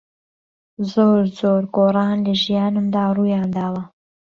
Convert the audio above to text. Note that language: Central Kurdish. زۆر جۆر گۆڕان له ژیانمدا روویانداوه